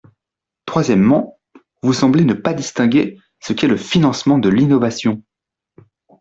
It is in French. Troisièmement, vous semblez ne pas distinguer ce qu’est le financement de l’innovation.